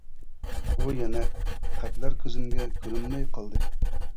ئۇ يەنە. خەتلەر كۆزۈمگە كۆرۈنمەي قالدى.